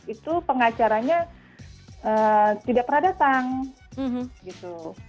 itu pengacaranya tidak pernah datang gitu